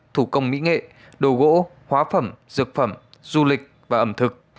thủ công mỹ nghệ đồ gỗ hóa phẩm dược phẩm du lịch và ẩm thực